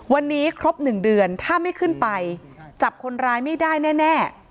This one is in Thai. วันนี้ครบ๑เดือนถ้าไม่ขึ้นไปจับคนร้ายไม่ได้แน่